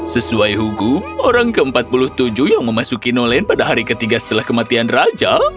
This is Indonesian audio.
sesuai hukum orang ke empat puluh tujuh yang memasuki nolen pada hari ketiga setelah kematian raja